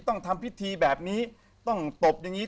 ต้องทำพิธีแบบนี้ต้องตบอย่างนี้